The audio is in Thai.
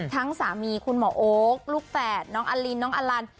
สามีคุณหมอโอ๊คลูกแฝดน้องอลินน้องอลัน